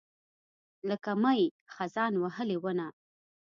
لکه مئ، خزان وهلې ونه